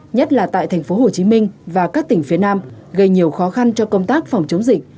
nhất là tại thành phố hồ chí minh và các tỉnh phía nam gây nhiều khó khăn cho công tác phòng chống dịch